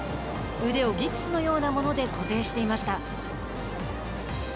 腕をギプスのようなもので固定していました。